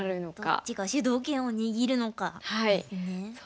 どっちが主導権を握るのかですね。